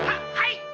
はい。